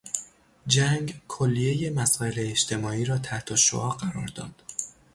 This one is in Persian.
جنگ کلیهی مسائل اجتماعی را تحتالشعاع قرار داد.